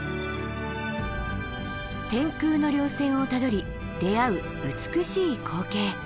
天空の稜線をたどり出会う美しい光景。